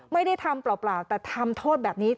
ไม่ได้ทำเปล่าแต่ทำโทษแบบนี้